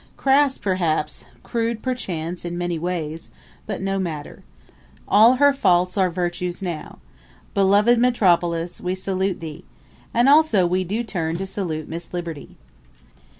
Crass perhaps, crude perchance, in many ways, but no matter. All her faults are virtues now. Beloved metropolis, we salute thee! And also do we turn to salute Miss Liberty.